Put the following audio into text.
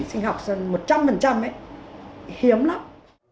phân hủy sinh học hơn một trăm linh ấy hiếm lắm